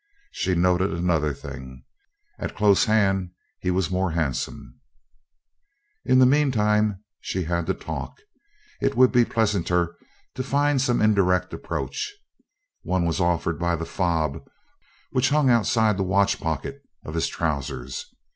She noted another thing: at close hand he was more handsome. In the meantime, since she had to talk, it would be pleasanter to find some indirect approach. One was offered by the fob which hung outside the watchpocket of his trousers.